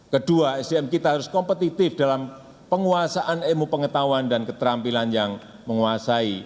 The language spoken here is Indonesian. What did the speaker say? kedua sdm kita harus kompetitif dalam penguasaan ilmu pengetahuan dan keterampilan yang menguasai